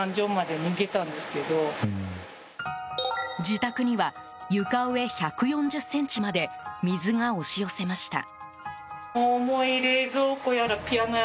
自宅には、床上１４０ｃｍまで水が押し寄せました。